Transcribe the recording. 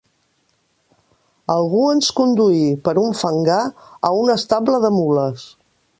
Algú ens conduí, per un fangar, a un estable de mules